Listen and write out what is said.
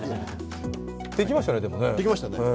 できましたね、でもね。